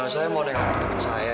saya mau dengar teman saya